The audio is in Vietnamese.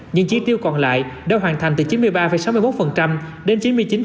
những trí tiêu còn lại đã hoàn thành từ chín mươi ba sáu mươi một đến chín mươi chín